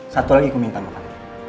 satu lagi kuminta makan